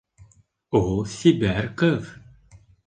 Ул сибәр ҡыҙ.